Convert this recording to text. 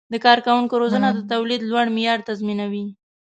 د کارکوونکو روزنه د تولید لوړ معیار تضمینوي.